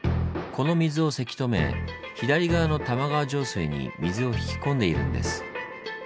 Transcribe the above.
この水をせき止め左側の玉川上水に水を引き込んでいるんです。